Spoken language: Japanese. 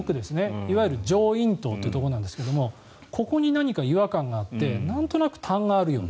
いわゆる上咽頭というところなんですがここに何か違和感があってなんとなく、たんがあるような。